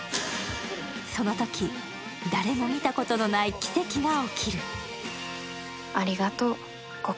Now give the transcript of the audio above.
そのとき、誰も見たことのない奇跡が起きる。